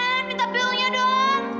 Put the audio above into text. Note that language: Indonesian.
klien minta bilnya dong